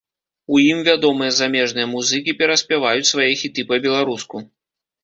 У ім вядомыя замежныя музыкі пераспяваюць свае хіты па-беларуску.